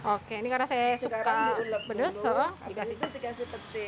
oke ini karena saya suka pedas